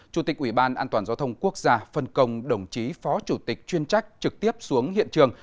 chủ tịch ủy ban an toàn giao thông quốc gia phân công đồng chí phó chủ tịch chuyên trách trực tiếp xuống hiện trường